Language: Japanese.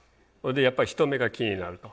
やっぱり人目が気になると。